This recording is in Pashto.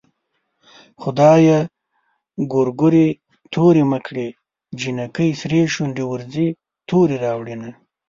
خدايه ګورګورې تورې مه کړې جنکۍ سرې شونډې ورځي تورې راوړينه